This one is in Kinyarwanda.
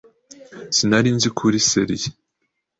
Sinari nzi ko uri serieux.